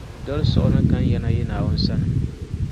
Dolisigu ni kan ya na n yi Naawuni sani